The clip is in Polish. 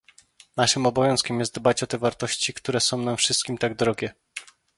Naszym obowiązkiem jest dbać o te wartości, które są nam wszystkim tak drogie